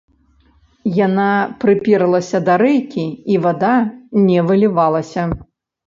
Яна прыперлася да рэйкі, і вада не вылівалася.